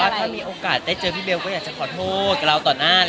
ถ้ามีโอกาสได้เจอพี่เบลย์ก็อย่าจะขอโทษต่อหน้า